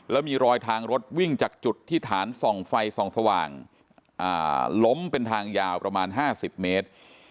แล้วมีรอยทางรถวิ่งจากจุดที่ฐานส่องไฟส่องสว่างล้มเป็นทางยาวประมาณ๕๐เมตร